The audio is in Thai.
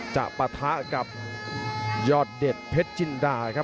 จะปะท้ากับยอดเดชเพชรจิณดาครับ